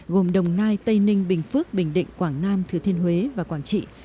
gồm đồng nai tây ninh bình phước bình định quảng nam thứ thiên huế và quảng trị